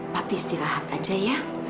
papi istirahat aja ya